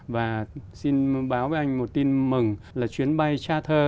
và xin báo với anh một tin mừng là chuyến bay charter